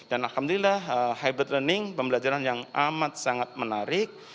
alhamdulillah hybrid learning pembelajaran yang amat sangat menarik